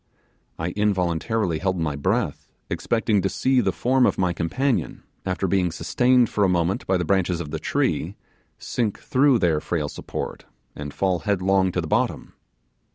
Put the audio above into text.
I involuntarily held my breath, expecting to see the form of my companion, after being sustained for a moment by the branches of the tree, sink through their frail support, and fall headlong to the bottom.